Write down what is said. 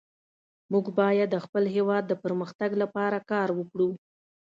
موږ باید د خپل هیواد د پرمختګ لپاره کار وکړو